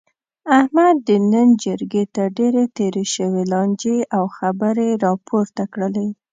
احمد د نن جرګې ته ډېرې تېرې شوې لانجې او خبرې را پورته کړلې.